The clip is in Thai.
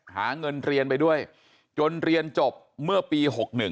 หาเงินเรียนไปด้วยจนเรียนจบเมื่อปี๖๑